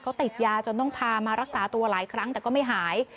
เขาติดยาจนต้องพามารักษาตัวหลายครั้งแต่ก็ไม่หาย